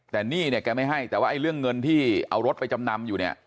แต่หนี้เนี่ยแกไม่ให้แต่ว่าไอ้เรื่องเงินที่เอารถไปจำนำอยู่เนี่ย